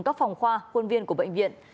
các phòng khoa quân viên của bệnh viện